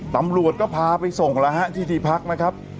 ตำรวจก็พาไปส่งแล้วฮะที่ที่พักนะครับ